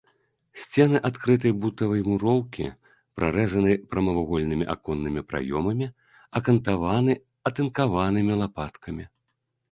Сцены адкрытай бутавай муроўкі прарэзаны прамавугольнымі аконнымі праёмамі, акантаваны атынкаванымі лапаткамі.